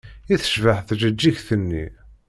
I tecbeḥ tjeǧǧigt-nni!